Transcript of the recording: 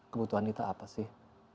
kebutuhan kita apa sih